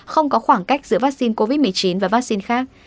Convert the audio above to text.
không có khoảng cách giữa vaccine covid một mươi chín và vaccine khác